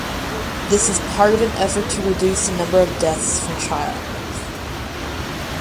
This is part of an effort to reduce the number of deaths from childbirth.